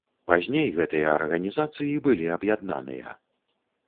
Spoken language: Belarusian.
Пазней гэтыя арганізацыі былі аб'яднаныя.